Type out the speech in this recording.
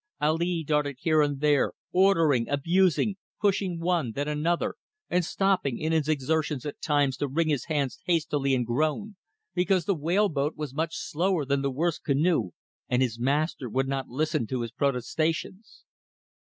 Ali darted here and there, ordering, abusing, pushing one, then another, and stopping in his exertions at times to wring his hands hastily and groan, because the whale boat was much slower than the worst canoe and his master would not listen to his protestations.